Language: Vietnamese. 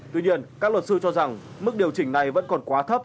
tuy nhiên các luật sư cho rằng mức điều chỉnh này vẫn còn quá thấp